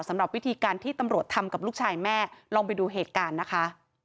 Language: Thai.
สำหรับวิธีการที่ตำรวจทำกับลูกชายแม่ลองไปดูเหตุการณ์นะคะ